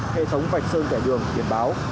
hệ thống vạch sơn kẻ đường tiền báo